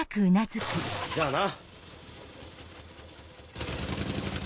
じゃあな。